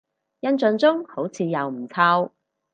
印象中好似又唔臭